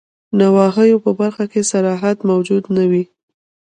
نواهیو په برخه کي صراحت موجود نه وي.